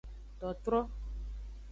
Totro.